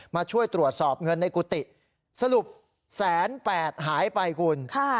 มาช่วยตรวจสอบเงินในกุฏิสรุปแสนแปดหายไปคุณ